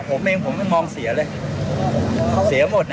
ผมเองผมไม่มองเสียเลยเสียหมดนะ